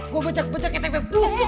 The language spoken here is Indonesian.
gue becek becek ke tv plus tuh